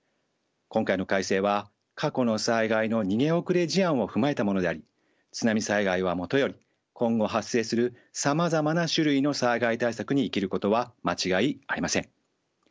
今回の改正は過去の災害の逃げ遅れ事案を踏まえたものであり津波災害はもとより今後発生するさまざまな種類の災害対策に生きることは間違いありません。